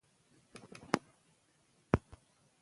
ژوند د ښو خلکو قدر کول غواړي.